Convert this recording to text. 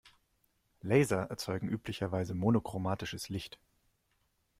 Laser erzeugen üblicherweise monochromatisches Licht.